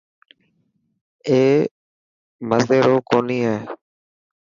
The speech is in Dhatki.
اي مزي رو ڪوني هي.